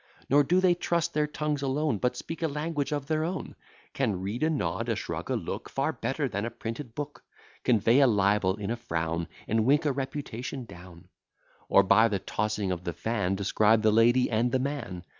Nor do they trust their tongues alone, But speak a language of their own; Can read a nod, a shrug, a look, Far better than a printed book; Convey a libel in a frown, And wink a reputation down; Or by the tossing of the fan, Describe the lady and the man.